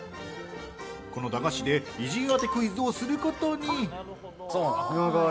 この駄菓子で異人当てクイズをすることに。